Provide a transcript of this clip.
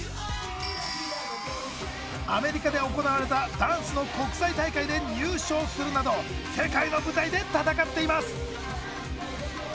アメリカで行われたダンスの国際大会で入賞するなど世界の舞台でたたかっています。